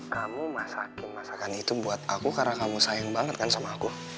kamu masakan masakan itu buat aku karena kamu sayang banget kan sama aku